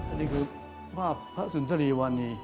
อันนี้คือภาพพระสุนทรีวานี